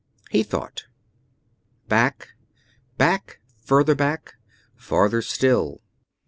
He thought. Back ... back ... farther back ... farther still....